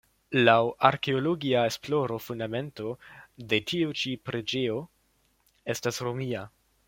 Laŭ arkeologia esploro fundamento de tiu ĉi preĝejo estas Romia.